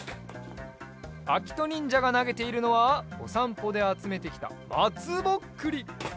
あきとにんじゃがなげているのはおさんぽであつめてきたまつぼっくり！